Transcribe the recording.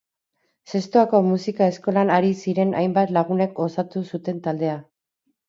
Zestoako musika eskolan ari ziren hainbat lagunek osatu zuten taldea.